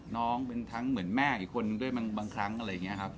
น้องเป็นทั้งเหมือนแม่อีกคนด้วยบางครั้งอะไรอย่างนี้ครับ